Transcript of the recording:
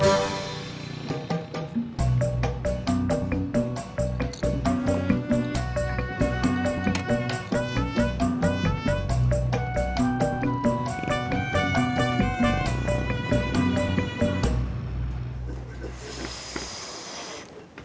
d manual yang harusnya ni biasa ya